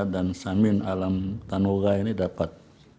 dan samin alam tanoga ini dapat